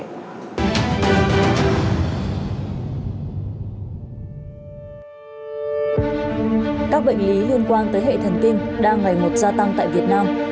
các bệnh lý liên quan tới hệ thần kinh đang ngày một gia tăng tại việt nam